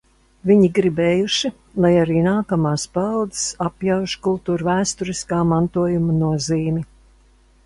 Viņi gribējuši, lai arī nākamās paaudzes apjauš kultūrvēsturiskā mantojuma nozīmi.